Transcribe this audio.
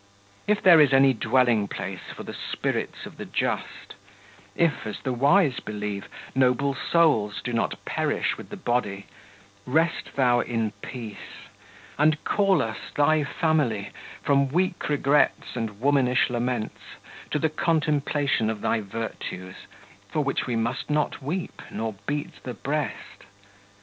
46 If there is any dwelling place for the spirits of the just; if, as the wise believe, noble souls do not perish with the body, rest thou in peace; and call us, thy family, from weak regrets and womanish laments to the contemplation of thy virtues, for which we must not weep nor beat the breast.